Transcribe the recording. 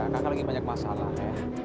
kakak lagi banyak masalah